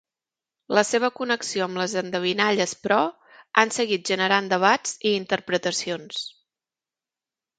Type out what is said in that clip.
La seva connexió amb les endevinalles, però, han seguit generant debats i interpretacions.